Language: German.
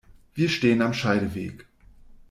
Wir stehen am Scheideweg.